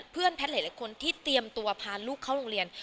แพทย์หลายคนที่เตรียมตัวพาลูกเข้าโรงเรียน